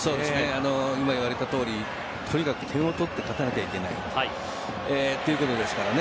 今、言われたとおりとにかく点を取って勝たなければいけないということですからね。